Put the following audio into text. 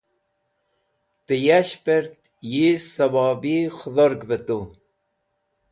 ta yashpert yi suwobi khudhorg b tey